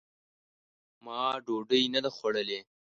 ما ډوډۍ نه ده خوړلې !